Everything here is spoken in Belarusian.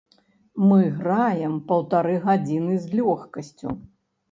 Мы граем паўтары гадзіны з лёгкасцю!